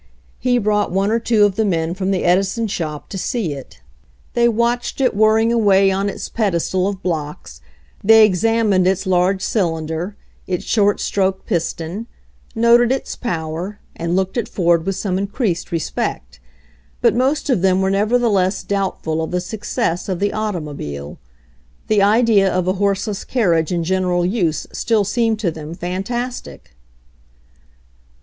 He brought one or two of the men from the Edison shop to see it. They 80 STRUGGLING WITH THE FIRST CAR 81 watched it whirring away on its pedestal of blocks, they examined its large cylinder, its short stroke piston, noted its power, and looked at Ford with some increased respect. But most of them were nevertheless doubtful of the success of the automobile. The idea of a horseless carriage in general use still seemed to them fantastic.